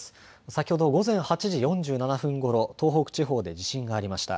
先ほど午前８時４７分ごろ東北地方で地震がありました。